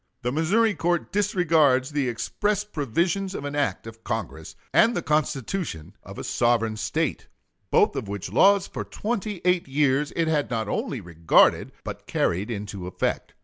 The Missouri court disregards the express provisions of an act of Congress and the Constitution of a sovereign State, both of which laws for twenty eight years it had not only regarded, but carried into effect.